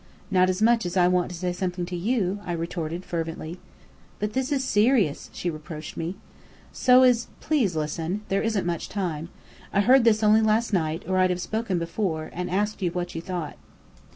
"Not as much as I want to say something to you," I retorted fervently. "But this is serious," she reproached me. "So is " "Please listen. There isn't much time. I heard this only last night, or I'd have spoken before, and asked you what you thought.